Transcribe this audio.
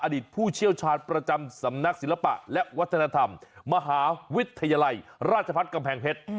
ผู้เชี่ยวชาญประจำสำนักศิลปะและวัฒนธรรมมหาวิทยาลัยราชพัฒน์กำแพงเพชร